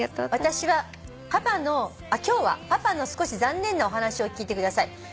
「私はパパの今日はパパの少し残念なお話を聞いてください」